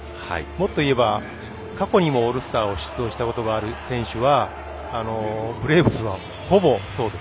もっと言えば過去にもオールスターに出場したことある選手はブレーブスはほぼ。